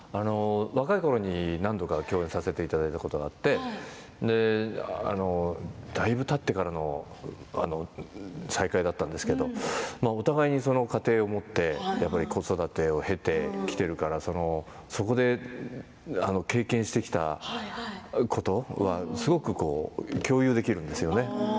若いころに何度か共演させていただいたことがあってだいぶたってからの再会だったんですけどお互いに家庭を持って子育てを経てきているからそこで経験してきたことはすごく共有できるんですよね。